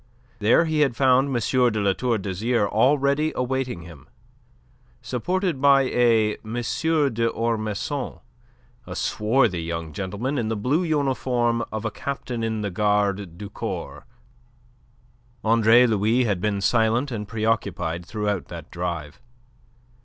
There he had found M. de La Tour d'Azyr already awaiting him, supported by a M. d'Ormesson, a swarthy young gentleman in the blue uniform of a captain in the Gardes du Corps. Andre Louis had been silent and preoccupied throughout that drive.